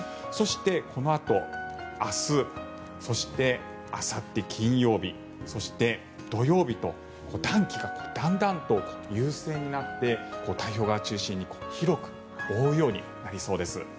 このあと明日そして、あさって金曜日そして土曜日と暖気がだんだんと優勢になって太平洋側を中心に広く覆うようになりそうです。